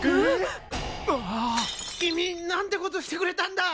君何てことしてくれたんだ！